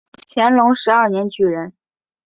乾隆十二年举人。